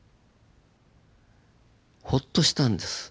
ホッとしたんです。